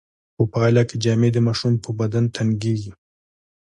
په پایله کې جامې د ماشوم په بدن تنګیږي.